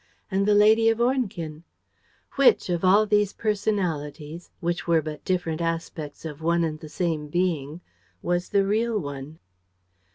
. and the lady of Ornequin: which of all these personalities, which were but different aspects of one and the same being, was the real one?